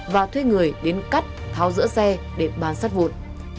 và thuê người đến cắt tháo giữa xe để bán sắt vụn